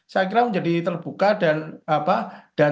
saya kira menjadi terbuka dan